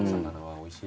おいしい。